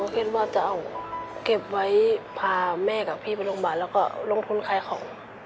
คิดว่าจะเอาเก็บไว้พาแม่กับพี่ไปโรงพยาบาลแล้วก็ลงทุนขายของ